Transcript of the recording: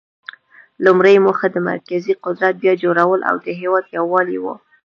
لومړۍ موخه د مرکزي قدرت بیا جوړول او د هیواد یووالی و.